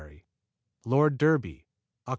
Lord Derby Oct.